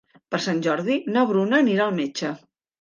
Per Sant Jordi na Bruna anirà al metge.